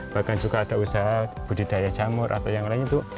bahkan juga ada usaha budidaya jamur atau yang lain itu